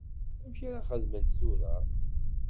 Amek ara xedment tura?